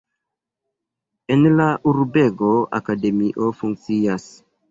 En la urbego akademio funkcias.